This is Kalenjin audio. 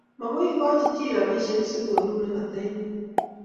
Magoi igoji chi robishiek sikoru nekata inye